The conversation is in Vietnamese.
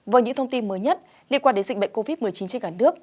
với những thông tin mới nhất liên quan đến dịch bệnh covid một mươi chín trên cả nước